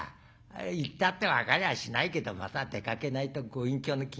行ったって分かりゃしないけどまた出かけないとご隠居の機嫌が悪いんでな。